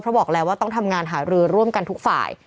เพราะบอกแล้วว่าต้องทำงานหารือร่วมกันทุกฝ่าย